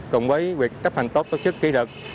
cùng với việc cấp hành tốt tổ chức kỹ lực